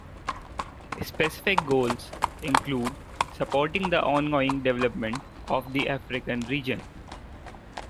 Specific goals include supporting the ongoing development of the African Region.